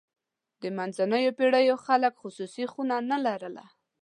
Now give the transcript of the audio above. د منځنیو پېړیو خلک خصوصي خونه نه لرله.